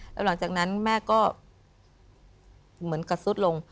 แล้วหลังจากนั้นแม่ก็เหมือนกับซุดลง